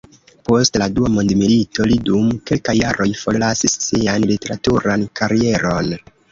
Post la Dua mondmilito li dum kelkaj jaroj forlasis sian literaturan karieron.